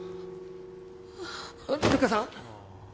瑠華さん？